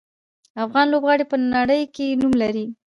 افغان لوبغاړي په نړۍ کې نوم لري.